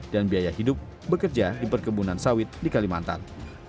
dan biaya hidup bekerja di perkebunan sawit di kalimantan